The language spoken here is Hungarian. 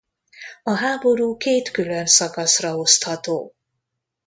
A háború két külön szakaszra osztható.